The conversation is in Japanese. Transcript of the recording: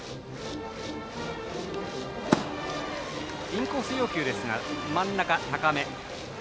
インコース要求ですが真ん中高め。